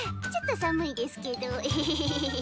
ちょっと寒いですけどエヘヘヘ。